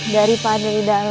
dari panel di dalam